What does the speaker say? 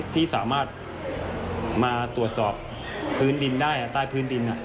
ที่สามารถมาตรวจสอบพื้นดินได้ใต้พื้นดิน